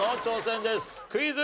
クイズ。